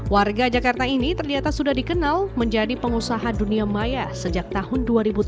warga jakarta ini ternyata sudah dikenal menjadi pengusaha dunia maya sejak tahun dua ribu tujuh belas